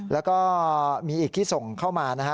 แล้วก็มีอีกที่ส่งเข้ามานะฮะ